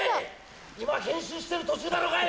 今変身してる途中だろがい！